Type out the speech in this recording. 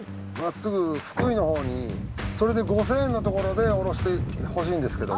それで５，０００円のところで降ろしてほしいんですけど。